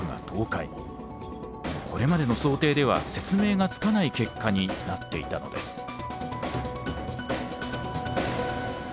これまでの想定では説明がつかない結果になっていたのです。